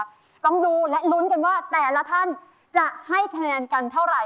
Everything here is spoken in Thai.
ต้องดูและลุ้นกันว่าแต่ละท่านจะให้คะแนนกันเท่าไหร